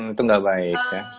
itu gak baik